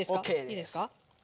いいですか？